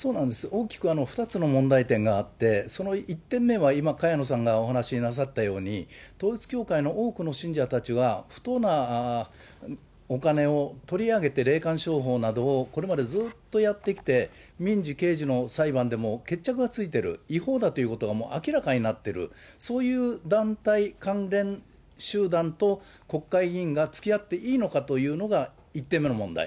大きく２つの問題点があって、その１点目は、今、萱野さんがお話なさったように、統一教会の多くの信者たちは、不当なお金を取り上げて、霊感商法などをこれまでずっとやってきて、民事、刑事の裁判でも決着がついている、違法だということが明らかになっている、そういう団体関連集団と国会議員がつきあっていいのかというのが１点目の問題。